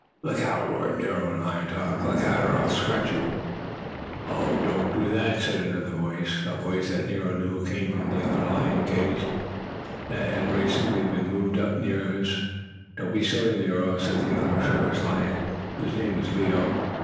"Look out!" roared Nero, in lion talk. "Look out or I'll scratch you!" "Don't do that!" said another voice. A voice that Nero knew came from the other lion cage, that had recently been moved up near his. "Don't be silly, Nero!" said the other circus lion, whose name was Leo.